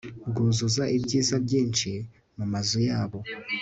bwuzuza ibyiza byinshi mu mazu yabo